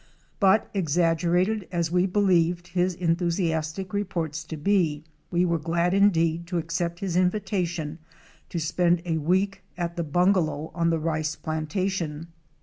But, exaggerated as we believed his enthusiastic reports to be, we were glad indeed to accept "his invitation to spend a week at the bungalow on the rice plantation.